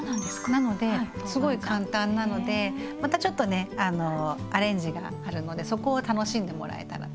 なのですごい簡単なのでまたちょっとねアレンジがあるのでそこを楽しんでもらえたらと思います。